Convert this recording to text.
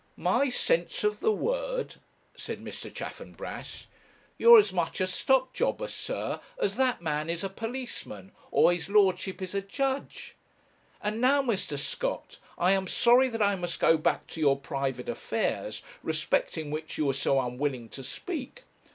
'My sense of the word!' said Mr. Chaffanbrass. 'You are as much a stock jobber, sir, as that man is a policeman, or his lordship is a judge. And now, Mr. Scott, I am sorry that I must go back to your private affairs, respecting which you are so unwilling to speak.